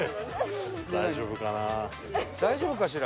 大丈夫かな？